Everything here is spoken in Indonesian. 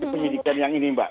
penyidikan yang ini mbak